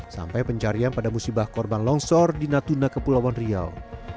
sampai pencarian pada musibah korban longsor di natuna kepulauan riau